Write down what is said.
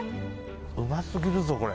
うますぎるぞこれ。